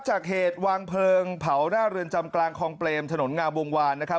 จากเหตุวางเพลิงเผาหน้าเรือนจำกลางคลองเปรมถนนงามวงวานนะครับ